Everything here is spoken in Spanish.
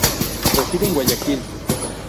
Reside en Guayaquil.